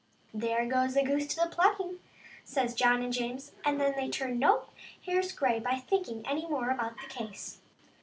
" There goes a goose to the plucking," says John and James, and then they turned no hairs grey by thinking any more about the case.